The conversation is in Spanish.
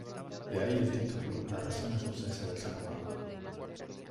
De ahí el título, la razón es la ausencia del ser amado.